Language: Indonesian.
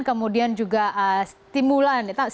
kemudian juga stimulus